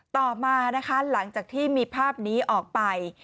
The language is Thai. ต่อมานะคะหลังจากที่มีภาพนี้ออกไป